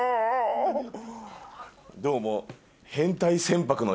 どうも。